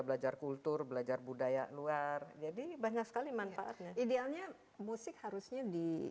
belajar kultur belajar budaya luar jadi banyak sekali manfaatnya idealnya musik harusnya di